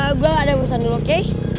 gue gak ada urusan dulu oke